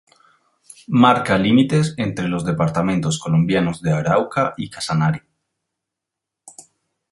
Marca límites entre los departamentos colombianos de Arauca y Casanare.